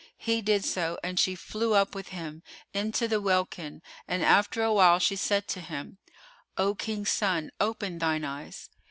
He did so and she flew up with him into the welkin; and after awhile she said to him, "O King's son, open thine eyes."